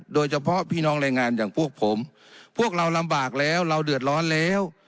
โดยเฉพาะพี่น้องแรงงานอย่างพวกผมพวกเราลำบากแล้วเราเดือดร้อนแล้ว